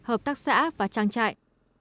hợp tác xã và trang trại